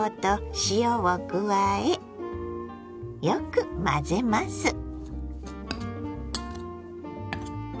よく混ぜます。